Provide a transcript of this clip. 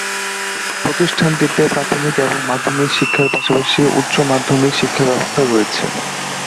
প্রতিষ্ঠানটিতে প্রাথমিক এবং মাধ্যমিক শিক্ষা এর পাশাপাশি উচ্চ মাধ্যমিক শিক্ষার ব্যবস্থা রয়েছে।